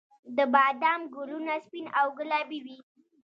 د بادام ګلونه سپین او ګلابي وي